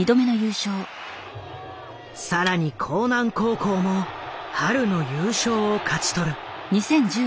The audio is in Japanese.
更に興南高校も春の優勝を勝ち取る。